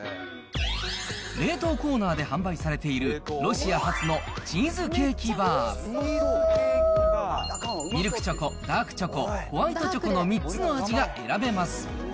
冷凍コーナーで販売されている、ロシア発のチーズケーキバー、ミルクチョコ、ダークチョコ、ホワイトチョコの３つの味が選べます。